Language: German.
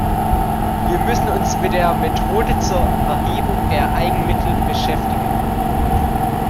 Wir müssen uns mit der Methode zur Erhebung der Eigenmittel beschäftigen.